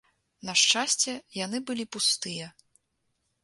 На шчасце, яны былі пустыя.